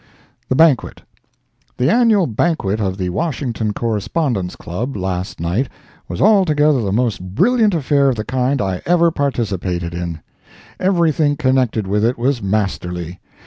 The Banquet. The annual banquet of the Washington Correspondents' Club, last night, was altogether the most brilliant affair of the kind I ever participated in. Everything connected with it was masterly.